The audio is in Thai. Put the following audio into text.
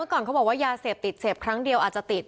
ก่อนเขาบอกว่ายาเสพติดเสพครั้งเดียวอาจจะติด